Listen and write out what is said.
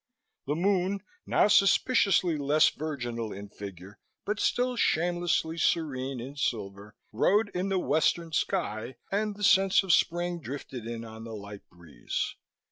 The moon, now suspiciously less virginal in figure but still shamelessly serene in silver, rode in the western sky and the scents of spring drifted in on the light breeze.